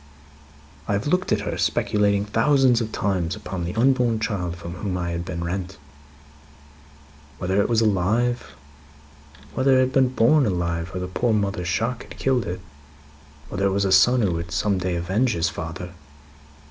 "I have looked at her, speculating thousands of times upon the unborn child from whom I had been rent. Whether it was alive. Whether it had been born alive, or the poor mother's shock had killed it. Whether it was a son who would some day avenge his father.